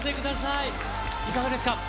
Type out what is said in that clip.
いかがですか？